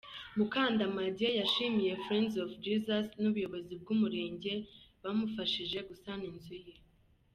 Mukandamage yashimiye Friends of Jesus n’ubuyobozi bw’umurenge bamufashije gusana inzu ye.